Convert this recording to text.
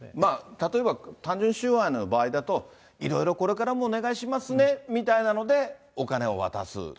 例えば単純収賄の場合だと、いろいろこれからもお願いしますねみたいなので、お金を渡す。